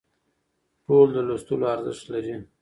ټول د لوستلو ارزښت لري